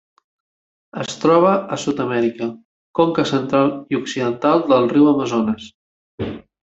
Es troba a Sud-amèrica: conca central i occidental del riu Amazones.